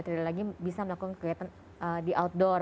tidak lagi bisa melakukan kegiatan di outdoor